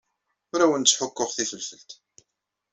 Ur awen-ttḥukkuɣ tifelfelt.